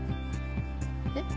えっ？